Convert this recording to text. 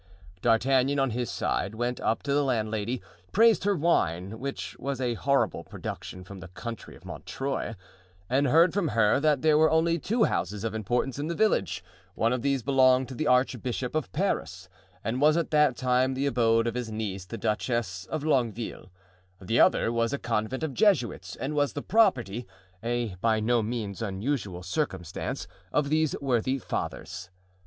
D'Artagnan, on his side, went up to the landlady, praised her wine—which was a horrible production from the country of Montreuil—and heard from her that there were only two houses of importance in the village; one of these belonged to the Archbishop of Paris, and was at that time the abode of his niece the Duchess of Longueville; the other was a convent of Jesuits and was the property—a by no means unusual circumstance—of these worthy fathers.